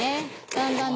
だんだんね。